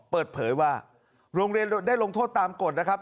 เปิดเผยว่าโรงเรียนได้ลงโทษตามกฎนะครับ